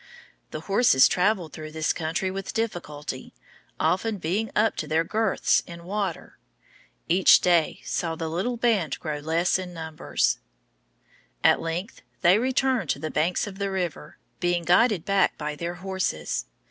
The horses traveled through this country with difficulty, often being up to their girths in water. Each day saw the little band grow less in numbers. At length they returned to the banks of the river, being guided back by their horses.